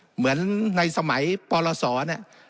เหมือนในสมัยปรศเนี่ย